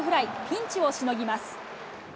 ピンチをしのぎます。